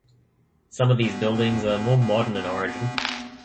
Some of these buildings are more modern in origin.